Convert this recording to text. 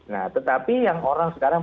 nah tetapi yang orang sekarang